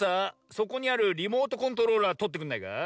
そこにあるリモートコントローラーとってくんないか？